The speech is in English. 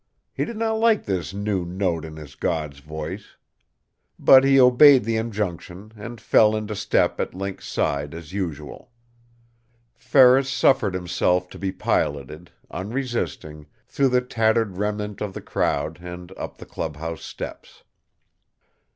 He did not like this new note in his god's voice. But he obeyed the injunction, and fell into step at Link's side as usual. Ferris suffered himself to be piloted, unresisting, through the tattered remnant of the crowd and up the clubhouse steps.